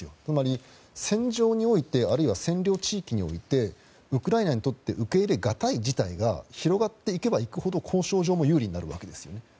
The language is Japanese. つまり、戦場においてあるいは占領地域においてウクライナにとって受け入れがたい事態が広がっていけばいくほど交渉上も有利になるわけですよね。